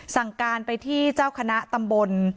สั่งการไปที่เจ้าคณะตำบล